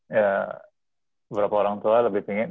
beberapa orang tua lebih pingin